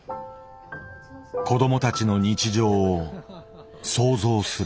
子どもたちの日常を想像する。